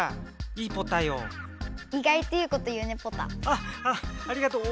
あっあっありがとう。